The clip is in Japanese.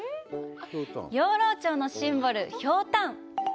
養老町のシンボル「ひょうたん」